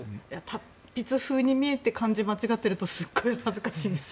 達筆風に見えて漢字が間違ってるとすごい恥ずかしいんですよ。